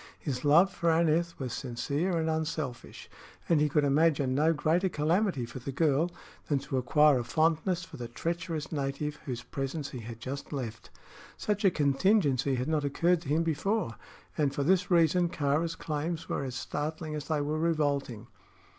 His love for Aneth was sincere and unselfish, and he could imagine no greater calamity for the girl than to acquire a fondness for the treacherous native whose presence he had just left. Such a contingency had not occurred to him before, and for this reason Kāra's claims were as startling as they were revolting.